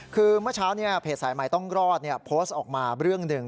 คือเมื่อเช้าเพจสายใหม่ต้องรอดโพสต์ออกมาเรื่องหนึ่ง